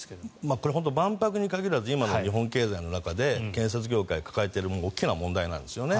これは万博に限らず今の日本経済の中で建設業界が抱えている大きな問題なんですよね。